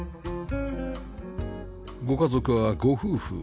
ご家族はご夫婦